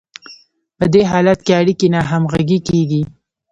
په دې حالت کې اړیکې ناهمغږې کیږي.